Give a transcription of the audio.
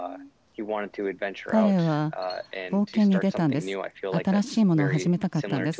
彼は冒険に出たんです。